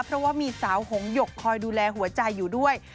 เพราะว่ามีสาวหงหยกคอยดูแลหัวใจอยู่ด้วย